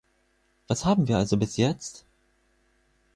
Was haben wir also bis jetzt?